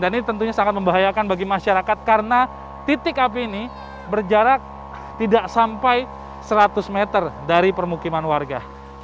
dan ini tentunya sangat membahayakan bagi masyarakat karena titik api ini berjarak tidak sampai seratus meter dari permukiman warga